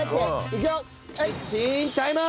いくよ！